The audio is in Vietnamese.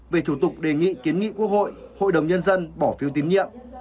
về thủ tục đề nghị kiến nghị quốc hội hội đồng nhân dân bỏ phiếu tín nhiệm